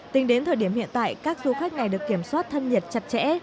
tính đến thời điểm hiện tại các du khách này được kiểm soát thân nhiệt chặt chẽ